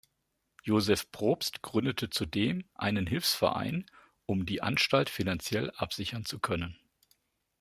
Joseph Probst gründete zudem einen Hilfsverein, um die Anstalt finanziell absichern zu können.